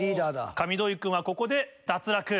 上土井君はここで脱落。